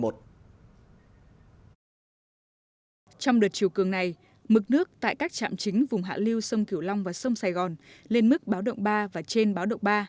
trong đợt chiều cường này mực nước tại các trạm chính vùng hạ liêu sông kiểu long và sông sài gòn lên mức báo động ba và trên báo động ba